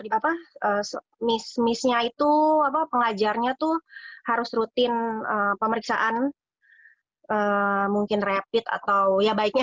di apa missnya itu apa pengajarnya tuh harus rutin pemeriksaan mungkin rapid atau ya baiknya